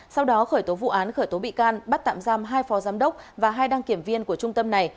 sau đó khởi tố vụ án khởi tố bị can bắt tạm giam hai phó giám đốc và hai đăng kiểm viên của trung tâm này